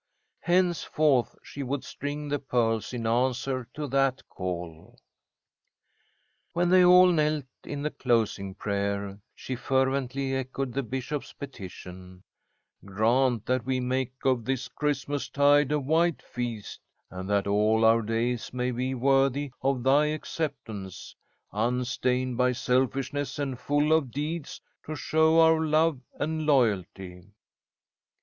Henceforth she would string the pearls in answer to that call. When they all knelt in the closing prayer, she fervently echoed the bishop's petition: "Grant that we make of this Christmastide a White Feast, and that all our days may be worthy of thy acceptance, unstained by selfishness and full of deeds to show our love and loyalty."